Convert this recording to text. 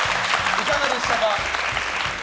いかがでしたか？